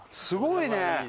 すごいね。